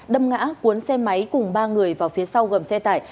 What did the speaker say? đâm ngã cuốn xe máy cùng ba người vào phía sau gầm xe tải khiến họ tử vong tại hiện trường